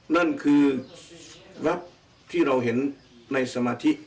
นั่นคือแวบที่เราเห็นในสมาธิ